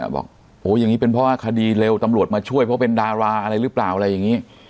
บอกโอ้อย่างนี้เป็นเพราะว่าคดีเร็วตำรวจมาช่วยเพราะเป็นดาราอะไรหรือเปล่าอะไรอย่างนี้